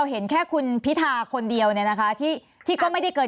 ก็ข้าดหวังว่าเดอะเทียงกลางขึ้นภูมิ